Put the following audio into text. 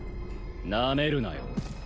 なめるなよ